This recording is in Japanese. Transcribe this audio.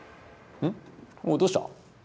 おうどうした？